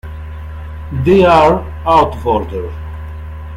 "They're" out of order!